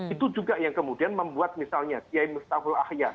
itu juga yang kemudian membuat misalnya kiai mustaful ahyar